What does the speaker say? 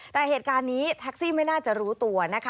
แต่เหตุการณ์นี้แท็กซี่ไม่น่าจะรู้ตัวนะคะ